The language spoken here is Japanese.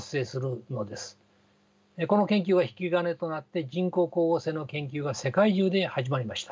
この研究が引き金となって人工光合成の研究が世界中で始まりました。